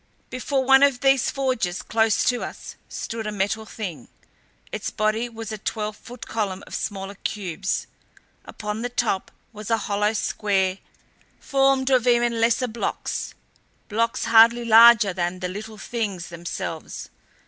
Before one of these forges, close to us, stood a Metal Thing. Its body was a twelve foot column of smaller cubes. Upon the top was a hollow square formed of even lesser blocks blocks hardly larger than the Little Things themselves.